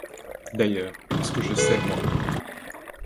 D’ailleurs, est-ce que je sais, moi ?